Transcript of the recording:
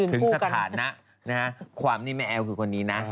ถึงสถานะนะฮะความนี่แม่แอลคือคนนี้นะ